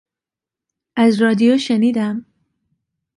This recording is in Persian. از رادیو شنیدم.